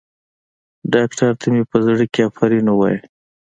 ډاکتر ته مې په زړه کښې افرين ووايه.